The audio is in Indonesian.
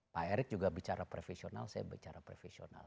pak erick juga bicara profesional saya bicara profesional